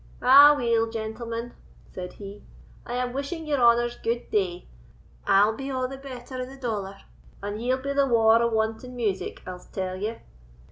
"Aweel, gentlemen," said he, "I am wishing your honours gude day. I'll be a' the better of the dollar, and ye'll be the waur of wanting music, I'se tell ye.